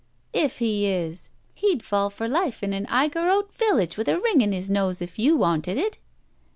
" 'If he is!' He'd fall for life in an Igorrote village with a ring in his nose if you wanted it."